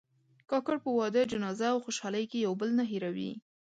کاکړ په واده، جنازه او خوشحالۍ کې یو بل نه هېروي.